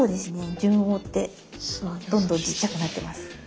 順を追ってどんどんちっちゃくなってます。